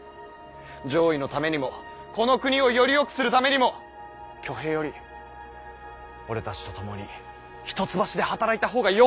攘夷のためにもこの国をよりよくするためにも挙兵より俺たちと共に一橋で働いた方がよほど見込みがある。